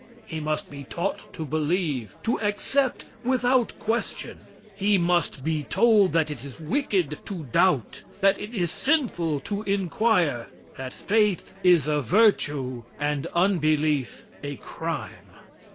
He must be taught to believe, to accept without question. He must be told that it is wicked to doubt, that it is sinful to inquire that Faith is a virtue and unbelief a crime.